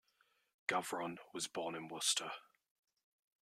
Gavron was born in Worcester.